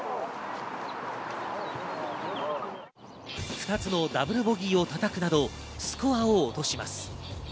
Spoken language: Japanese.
２つのダブルボギーをたたくなど、スコアを落とします。